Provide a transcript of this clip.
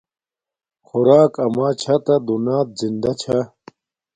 خوراک اما چھا تہ دونات زندہ چھا